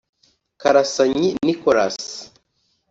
Karasanyi Nicolas